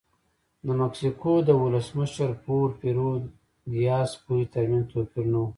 د مکسیکو د ولسمشر پورفیرو دیاز پوهې ترمنځ توپیر نه و.